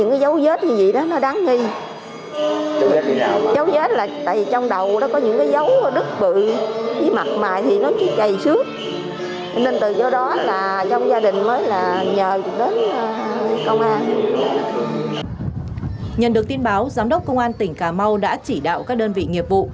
nhận được tin báo giám đốc công an tỉnh cà mau đã chỉ đạo các đơn vị nghiệp vụ